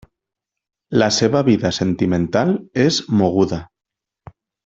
La seva vida sentimental és moguda.